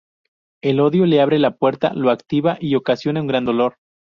El odio le abre la puerta, lo activa, y ocasiona un gran dolor.